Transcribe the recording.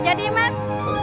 gak jadi mas